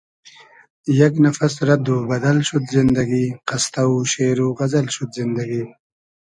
یئگ نفس رئد و بئدئل شود زیندئگی قستۂ و شېر و غئزئل شود زیندئگی